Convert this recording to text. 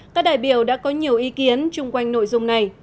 các đại biểu đã có nhiều ý kiến chung quanh nội dung này